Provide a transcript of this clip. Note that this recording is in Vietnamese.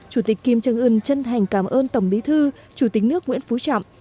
chủ tịch kim trân ưn chân thành cảm ơn tổng bí thư chủ tịch nước nguyễn phú trọng